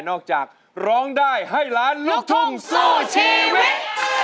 จากร้องได้ให้ล้านลูกทุ่งสู้ชีวิต